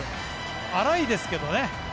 粗いですけどね。